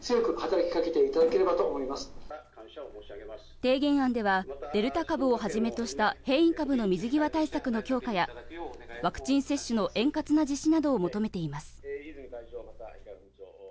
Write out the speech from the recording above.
提言案ではデルタ株をはじめとした変異株の水際対策の強化やワクチン接種の円滑な実施などを求めています。